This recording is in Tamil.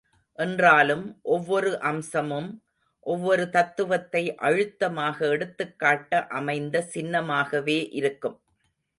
என்றாலும், ஒவ்வொரு அம்சமும் ஒவ்வொரு தத்துவத்தை அழுத்தமாக எடுத்துக்காட்ட அமைந்த சின்னமாகவே இருக்கும்.